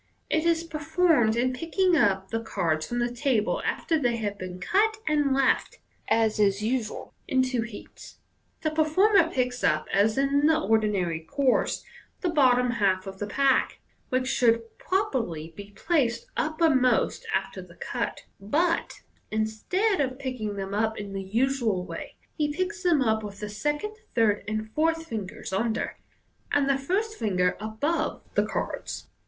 It is performed in picking up the cards from the table after they have been cut, and left, as is usual, in two heaps. The performer picks up, as in the ordinary course, Fig. 10. MODERN MAGIC. 21 Fig. it. tfie bottom half of the pack (which should properly be placed upper most after the cut) 5 but, instead of picking them up in the usual way, he picks them up with the second, third, and fourth fin gers under, and the first finger above the cards.